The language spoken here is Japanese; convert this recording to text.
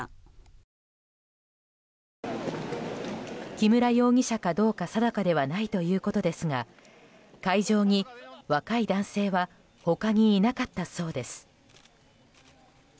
木村容疑者かどうか定かではないということですが会場に、若い男性は他にいなかったそうです。